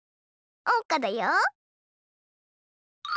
おうかだよ。